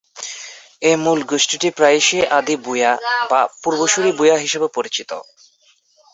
এই মূল গোষ্ঠীটি প্রায়শই আদি ভূঁইয়া বা পূর্বসূরি ভূঁইয়া হিসাবে পরিচিত।